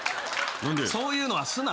そういうのはすな。